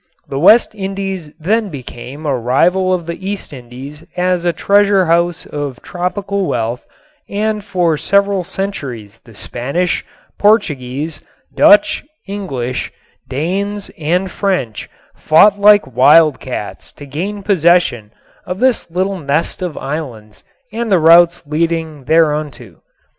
The West Indies then became a rival of the East Indies as a treasure house of tropical wealth and for several centuries the Spanish, Portuguese, Dutch, English, Danes and French fought like wildcats to gain possession of this little nest of islands and the routes leading thereunto.